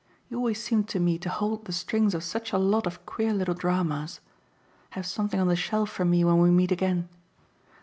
You always seem to me to hold the strings of such a lot of queer little dramas. Have something on the shelf for me when we meet again.